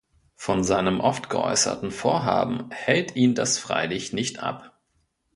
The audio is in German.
Von seinem oft geäußerten Vorhaben hält ihn das freilich nicht ab.